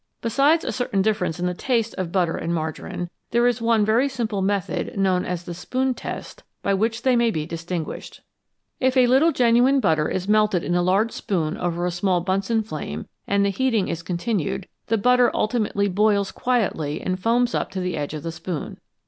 Besides a certain difference in the taste of butter and margarine, there is one very simple method, known as the spoon test, by which they may be distinguished. If a 264 THE ADULTERATION OF FOOD little genuine batter is melted in a large spoon over a small Bunsen flame, and the heating is continued, the butter ultimately boils quietly and foams up to the edge of the spoon.